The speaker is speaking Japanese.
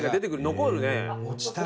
残るね。